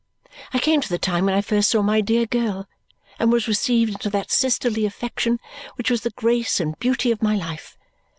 I came to the time when I first saw my dear girl and was received into that sisterly affection which was the grace and beauty of my life.